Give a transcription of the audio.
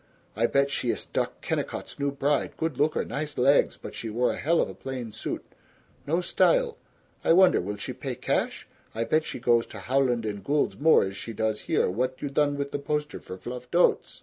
I bet she iss Doc Kennicott's new bride, good looker, nice legs, but she wore a hell of a plain suit, no style, I wonder will she pay cash, I bet she goes to Howland & Gould's more as she does here, what you done with the poster for Fluffed Oats?")